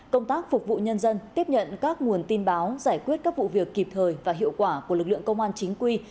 công tác phục vụ nhân dân tiếp nhận các nguồn tin báo giải quyết các vụ việc kịp thời và hiệu quả của lực lượng công an chính quy